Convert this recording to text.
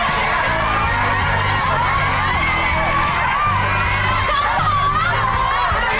ช็อกโกแลตยัง